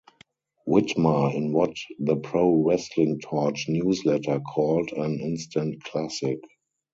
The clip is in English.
Whitmer in what the Pro Wrestling Torch Newsletter called an instant classic.